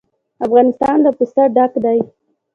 افغانستان له پسه ډک دی.